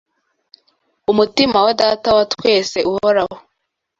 umutima wa Data wa twese uhoraho